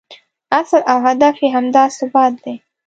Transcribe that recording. اصل او هدف یې همدا ثبات دی.